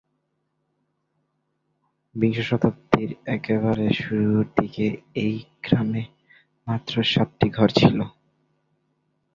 বিংশ শতাব্দীর একেবারে শুরুর দিকে এই গ্রামে মাত্র সাতটি ঘর ছিল।